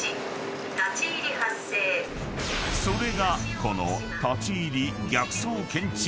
［それがこの］